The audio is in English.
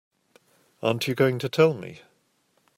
Aren't you going to tell me?